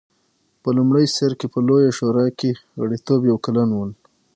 په لومړي سر کې په لویه شورا کې غړیتوب یو کلن و